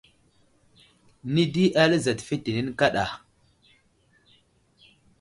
Nədi eli azat fetene kaɗa.